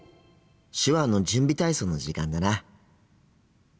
手話の準備体操の時間だな。